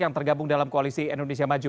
yang tergabung dalam koalisi indonesia maju